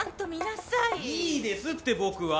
いいですって僕は！